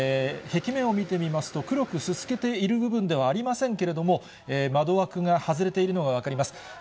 壁面を見てみますと、黒くすすけている部分ではありませんけれども、窓枠が外れているのが分かります。